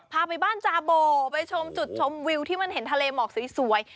พาไปบ้านจาโบไปชมจุดชมวิวที่มันเห็นทะเลหมอกสวย